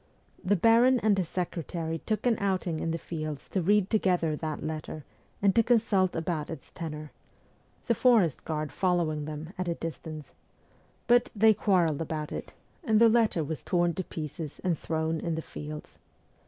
The baron and his secretary took an outing in the fields to read together that letter and to consult about its tenor the forest guard following them at a distance but they quarrelled about it, and the letter was torn to pieces and thrown in the fields.